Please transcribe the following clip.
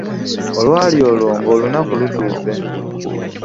Olwali olwo nga Ng’olunaku lutuuse.